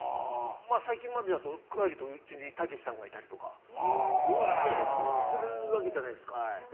最近までだと帰るとうちにたけしさんがいたりとかするわけじゃないですか。